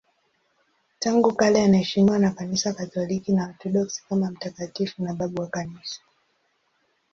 Tangu kale anaheshimiwa na Kanisa Katoliki na Waorthodoksi kama mtakatifu na babu wa Kanisa.